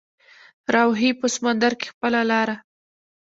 راوهي په سمندر کې خپله لاره